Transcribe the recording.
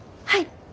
はい。